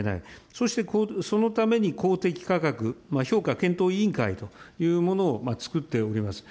そして、そのために公的価格評価検討委員会というものを作っております。